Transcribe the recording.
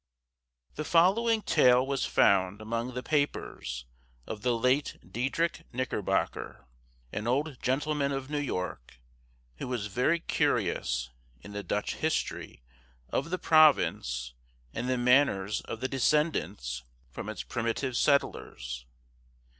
[The following Tale was found among the papers of the late Diedrich Knickerbocker, an old gentleman of New York, who was very curious in the Dutch History of the province and the manners of the descendants from its primitive settlers.